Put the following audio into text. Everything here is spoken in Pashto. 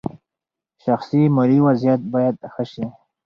شخصي مالي وضعیت باید ښه شي.